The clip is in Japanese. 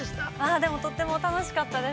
◆でもとっても楽しかったです。